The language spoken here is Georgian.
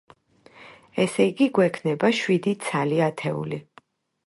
ესე იგი, გვექნება შვიდი ცალი ათეული.